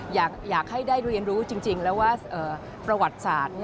อยากให้ได้เรียนรู้จริงแล้วว่าประวัติศาสตร์